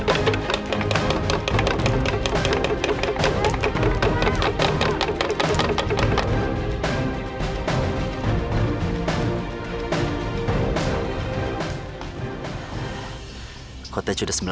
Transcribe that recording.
aku mau pergi